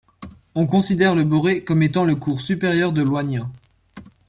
On considère le Borrey comme étant le cours supérieur de l'Oignin.